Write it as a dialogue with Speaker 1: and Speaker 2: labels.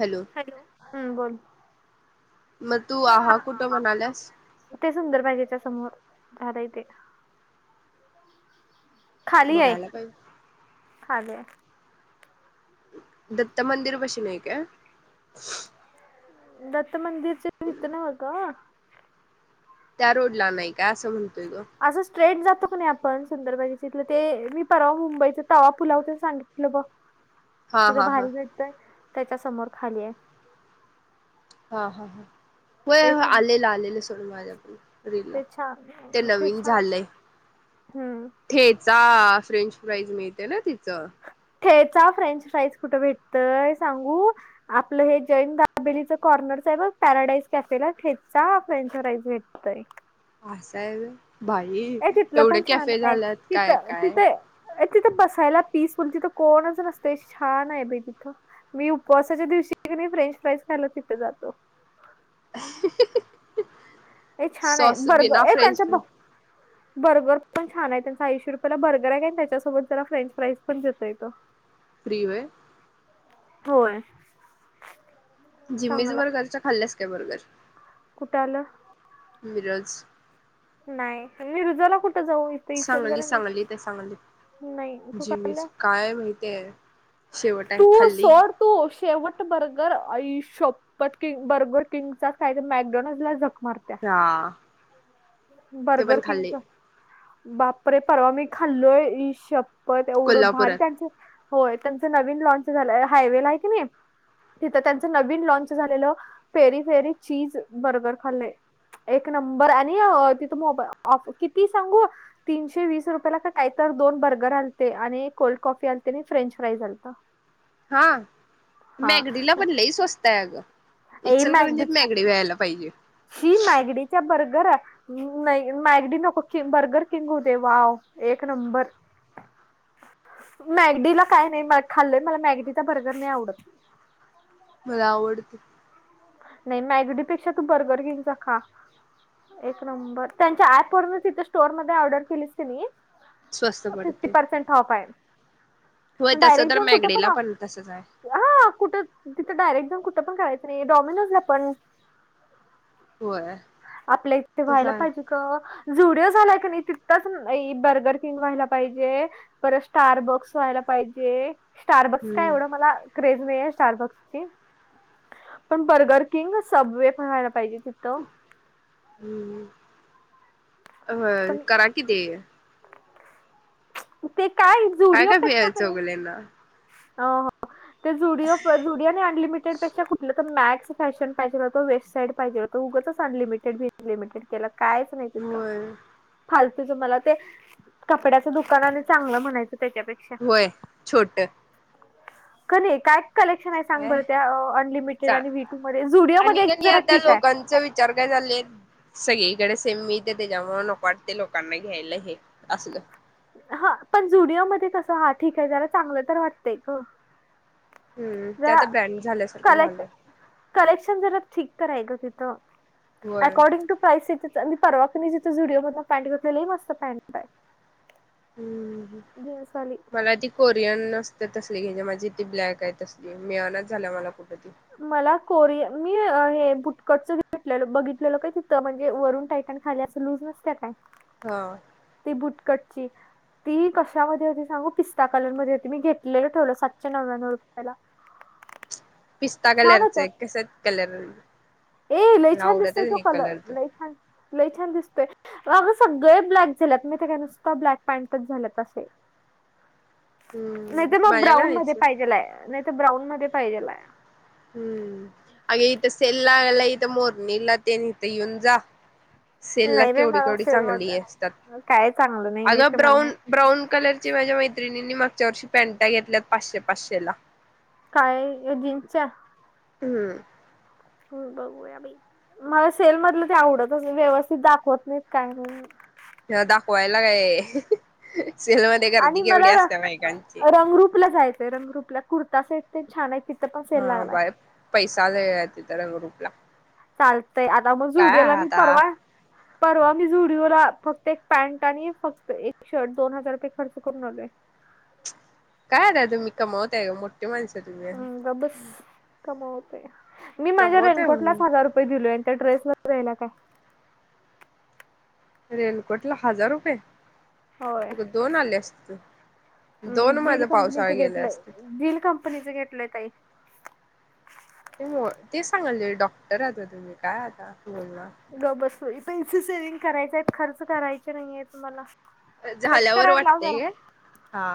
Speaker 1: Hello
Speaker 2: hello हम् बोल
Speaker 1: मग तू आ कुठं म्हणाल्यास
Speaker 2: ते ते सुंदर पाहिजेच्या समोर झालं इथे खाली आहे
Speaker 1: बघायला पाहिजे
Speaker 2: खाली आहे
Speaker 1: दत्त मंदिर बशीन आहे का
Speaker 2: दत्त मंदिर भेतनव का
Speaker 1: त्या रोड ला नाही काय असं म्हणतोय ग
Speaker 2: असं स्ट्रेट जातो नाही आपण सुंदरबाजी चथलं ते मी परवा मुंबईच तवा पुला होते सांगितलं ब
Speaker 1: ह
Speaker 2: तिथं भारी भेटतय त्याच्या समोर खाली आहे
Speaker 1: हा हा हा होय
Speaker 2: एक नंबर
Speaker 1: आलेलं आलेलं सोडून माझ्या पण
Speaker 2: ते
Speaker 1: ते
Speaker 2: छान
Speaker 1: नवीन
Speaker 2: छान
Speaker 1: झालंय
Speaker 2: हम्म
Speaker 1: ठेचा फ्रेंच फ्राईज मिळते ना तिचं
Speaker 2: चा फ्रेंच फ्राईज कुठं भेटतय सांगू? आपलं हे जैन दाबेलीच कॉर्नरचं आहे बघ पॅराडाईस कॅफेला ठेचा फ्रेंच फ्राईज भेट तय
Speaker 1: असं हाय व्हय बाई
Speaker 2: ए तिथलं
Speaker 1: एवढे
Speaker 2: पण
Speaker 1: कॅफे झाल्यात काय काय
Speaker 2: अ तिथं बसायला पीसफुल तिथं कोणच नसतय छान आहे बाई तिथं मी उपवासाच्या दिवशी कनी फ्रेंच फ्राईज खायला तिथं जातो
Speaker 1: [inaudible]
Speaker 2: हे छान आहे
Speaker 1: सॉस
Speaker 2: बरं
Speaker 1: बिना फ्रेंच
Speaker 2: त्यांचं ब
Speaker 1: फ्राय
Speaker 2: बर्गर पण छान आहे त्यांचा ऐंशी रुपयाला बर्गर आहे आणि त्याच्यासोबत जरा फ्रेंच फ्राईज पण देतोय तो
Speaker 1: फ्री व्हय
Speaker 2: होय
Speaker 1: जिम्मीज
Speaker 2: चांगला
Speaker 1: बर्गरचं खाल्ल्यास काय बर्गर?
Speaker 2: कुठं आलं?
Speaker 1: मिरज
Speaker 2: नाही मिरजला कुठं जाऊ?
Speaker 1: सांगली
Speaker 2: इचलकरंजीत
Speaker 1: सांगली ते सांगली
Speaker 2: नाही तू
Speaker 1: जिम्मीज
Speaker 2: खाल्लं
Speaker 1: काय माहती आहे शेवट आहे
Speaker 2: तू
Speaker 1: खाल्ली
Speaker 2: सोड तू शेवट बर्गर आई शप पट किंग बर्गर किंगचाच काय तर मॅकडॉनला [unintelligible]
Speaker 1: हा ते
Speaker 2: बर्गर
Speaker 1: पण खाल्ली
Speaker 2: किंगचा बापरे परवा मी खाल्लोय इश पथ एवढं भारी
Speaker 1: कोल्हापुरात
Speaker 2: त्यांच होय त्यांच नवीन लॉंन्च झालंय हायवे ला आहे की नाही तिथं त्यांचं नवीन लॉंन्च झालेलं पेरी फेरी चीज बर्गर खाल्लं एक नंबर आणि तिथ मोब ऑफ किती सांगू? तीनशे वीस रुपयाला का काय तर दोन बर्गर आलते आणि एक कोल्ड कॉफी आलती आणि फ्रेंच फ्राइज आलतं.
Speaker 1: हा
Speaker 2: हा
Speaker 1: मॅगडीला पण लई स्वस्त आहे अगं
Speaker 2: ए मॅगडी
Speaker 1: इचलकरंजीत मॅग डी व्हायला पाहिजे.
Speaker 2: शी मॅगडी चा बर्गर मॅगडी नको बर्गर किंग होउ दे वाव एक नंबर
Speaker 1: [inaudible]
Speaker 2: मॅगडीला काय नाही म खाल्लंय मला मॅगडीचा बर्गर नाही आवडत
Speaker 1: मला आवडते
Speaker 2: नाही मॅगडीपेक्षा तू बर्गर किंगचा खा एक नंबर त्यांच्या ऍप वरनं तीथं स्टोर मध्ये ऑर्डर केलीस कनी
Speaker 1: स्वस्त
Speaker 2: फिफ्टी
Speaker 1: पडते
Speaker 2: पर्सेंट ऑफ हाय
Speaker 1: होय तस तर मॅगडीला पण तसच आहे.
Speaker 2: हा कुठं तिथं डायरेक्ट जाऊन कुठं पण करायचं नाही डॉमिनोजला पण.
Speaker 1: होय
Speaker 2: आपल्या इथं
Speaker 1: तसं
Speaker 2: व्हायला
Speaker 1: आहे
Speaker 2: पाहिजे. झुडिओ झालाय कनी तिथंच बर्गर किंग व्हायला पाहिजे. परत स्टारबॉक्स व्हायला पाहिजे. स्टारबक्स काय
Speaker 1: हम्म
Speaker 2: एवढं मला क्रेज नाहीे स्टारबक्स ची पण बर्गर किंग सबवे पहायला पाहिजे तिथं.
Speaker 1: ह्म्म
Speaker 2: पण
Speaker 1: होय करा कि ते
Speaker 2: ते काय.
Speaker 1: काय
Speaker 2: झुडिओ
Speaker 1: काय वेळ
Speaker 2: पेक्षा
Speaker 1: आहे
Speaker 2: कणी
Speaker 1: चौगुलेना
Speaker 2: अ हो ते जुडिओ जुडिओ अनलिमिटेड पेक्षा कुठलं तर मॅक्स. फॅशन पाहिेजेल होतं वेब साईड पाहिजे होतं उगचंच अनलिमिटेड बिनलिमिटेड केलं कायचं नाही तिथं
Speaker 1: होय
Speaker 2: फालतूच मला ते कपड्याचं दुकान आणि चांगलं म्हणायचं त्याच्यापे
Speaker 1: होय छोट.
Speaker 2: क नाही काय. कलेक्शन आहे सांग बरं त्या अनलिमिटेड
Speaker 1: चांग
Speaker 2: आणि वटू मध्ये झुरिया मध्ये एक जरा ठीक आहे.
Speaker 1: चार काय झाले आहेत. सगळीकडे सेम मी ते त्याच्यामुळ नक वाटते लोकांना घ्यायला हे असलं.
Speaker 2: हा पण जुडिओ मध्ये कस हा ठीक आहे जरा चांगलं तर वाटतंय ग.
Speaker 1: हम्म ते
Speaker 2: ज
Speaker 1: आता ब्रँड झाल्यासारखं
Speaker 2: कलेक्ट.
Speaker 1: झालंय
Speaker 2: करेक्शन जरा ठीक करायचं तिथं
Speaker 1: होय
Speaker 2: अकॉर्डिंग टू प्राइस. मी परवा कणी तिथं जुडिओ मध्ये पॅनट घेतलेली लई मस्त पँट आहे.
Speaker 1: हम्म.
Speaker 2: जे येस वाली.
Speaker 1: मला ती कोरियन असते तसली घजे माझी ती ब्लॅक आहे तसली मिळनाच झाला मला कुठ त.
Speaker 2: मला कोरि मी हे बुटकटचले बघितलेलं काय तिथं म्हणजे वरून टायटन खाली असा लूज नसत्या काय.
Speaker 1: हा.
Speaker 2: ते बुटकटची. ती कशामध्ये होती सांगू पिस्ता कलर मध्ये होती मी घेतलेलं ठेवलं सातशे नव्याण्णव रुपयाला.
Speaker 1: पिस्ता
Speaker 2: छान
Speaker 1: कलरच
Speaker 2: होतं
Speaker 1: कस कलर.
Speaker 2: ए लई छान दिसतय
Speaker 1: आवडतच
Speaker 2: तो
Speaker 1: नाही
Speaker 2: काल
Speaker 1: कलर तो
Speaker 2: लई छान लई छान दिसतय. अग सगळे ब्लॅक झालेत मी त्या काय नुसत ब्लॅक पॅन्टच झालेत असे. नाही
Speaker 1: हम्म
Speaker 2: तर मग
Speaker 1: माझ्याकडे
Speaker 2: ब्राऊन
Speaker 1: आहेच
Speaker 2: मध्ये
Speaker 1: सोड
Speaker 2: पाहिजेल हाय तर ब्राऊन मध्ये पाहिजेलाय.
Speaker 1: हम्म अगे इथ सेलगला इथ मोरणीला तन इत इवन जा. सेल ला
Speaker 2: नाही बाई
Speaker 1: केवढी
Speaker 2: मला
Speaker 1: केवढी
Speaker 2: फिरवत
Speaker 1: चांगली असतात
Speaker 2: काय चांगलं नाही
Speaker 1: आग
Speaker 2: येते मला
Speaker 1: ब्राऊन. ब्राऊन कलरची माझ्या मैत्रिणीनी मागच्या वर्षी पॅन्टा घेतल्यात पाचशे पाचशे ला.
Speaker 2: काय जीन्सच्या.
Speaker 1: हम्म.
Speaker 2: हम्म बघूया बाई मला सेल मधलं ते आवडतच व्यवस्थित दाखवत नाहीत काय नाही.
Speaker 1: ह्याला दाखवायला काय सेलमध्ये.
Speaker 2: आणि मला र रंगरूपला जायचंय रंगरूपला कुर्ता सेट तेन छान आहेत तिथ
Speaker 1: हा बार पैसा लई हाय तथ रंगरुपला.
Speaker 2: चालतंय आता मग झुडीओ मी
Speaker 1: आता
Speaker 2: परवा. परवा मी झुडिओला फक्त एक पॅन्ट आणि फक्त एक शर्ट दोन हजार रुपये खर्च करून आलोय.
Speaker 1: काय रा तुम्ही कमवताय का मोठठी माणस तुम्ही.
Speaker 2: कमावते मी माझ्या
Speaker 1: कमवताय
Speaker 2: रेनकोटलाच
Speaker 1: म्हणून
Speaker 2: हजार रुपये दिलोय आणि त्या ड्रेस मध्ये जाईना काय.
Speaker 1: रेलकोट ला हजार रुपये.
Speaker 2: होय.
Speaker 1: दोन आले असतीत.
Speaker 2: हम्म झिल कंपनीचं घेतलंय
Speaker 1: असते
Speaker 2: झिल कंपनीचं घेतलंय ताई.
Speaker 1: ते न्हव तेच सांगालोय डॉक्टर आहात ना तुम्ही काय आता बोलणार.
Speaker 2: गप्प बस बाई पैसे सेव्हंग करायचे आहेत खर्च करायचे नाहीयेत मला
Speaker 1: झाल्यावर वाटतेय काय हा